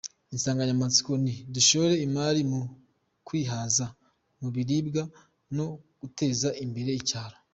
Insanganyamatsiko ni: “Dushore imari mu kwihaza mu biribwa no guteza imbere icyaro.